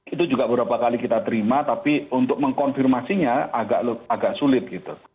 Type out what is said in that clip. itu juga beberapa kali kita terima tapi untuk mengkonfirmasinya agak sulit gitu